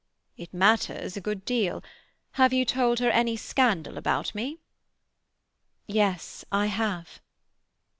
"It matters a good deal. Have you told her any scandal about me?" "Yes, I have."